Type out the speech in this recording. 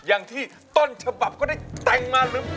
อย่างที่ต้นฉบับก็ได้แต่งมาหรือเปล่า